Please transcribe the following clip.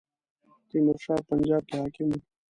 تیمور شاه په پنجاب کې حاکم وو.